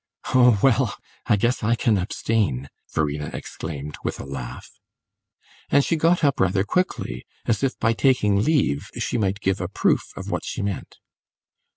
"Oh, well, I guess I can abstain!" Verena exclaimed, with a laugh. And she got up rather quickly, as if by taking leave she might give a proof of what she meant.